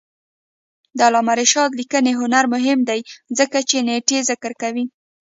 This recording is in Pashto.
د علامه رشاد لیکنی هنر مهم دی ځکه چې نېټې ذکر کوي.